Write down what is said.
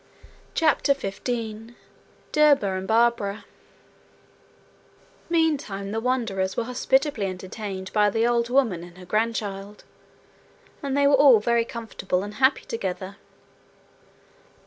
CHAPTER 15 Derba and Barbara Meantime the wanderers were hospitably entertained by the old woman and her grandchild and they were all very comfortable and happy together.